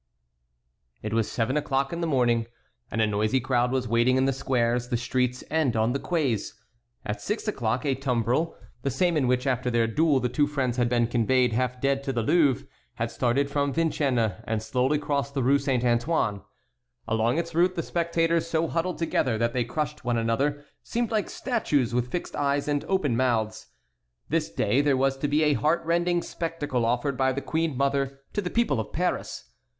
It was seven o'clock in the morning, and a noisy crowd was waiting in the squares, the streets, and on the quays. At six o'clock a tumbril, the same in which after their duel the two friends had been conveyed half dead to the Louvre, had started from Vincennes and slowly crossed the Rue Saint Antoine. Along its route the spectators, so huddled together that they crushed one another, seemed like statues with fixed eyes and open mouths. This day there was to be a heartrending spectacle offered by the queen mother to the people of Paris.